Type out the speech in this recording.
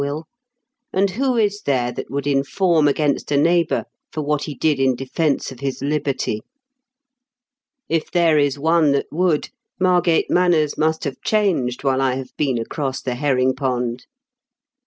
Will ; and who is there that would inform against a neighbour for what he did in defence of his liberty ? If there is one that would, Margate manners must have changed while I have been across the herring pond."